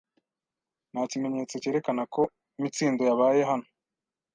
Nta kimenyetso cyerekana ko Mitsindo yabaye hano.